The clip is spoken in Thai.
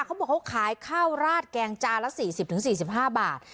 เขาบอกเขาขายข้าวราดแกงจานละสี่สิบถึงสี่สิบห้าบาท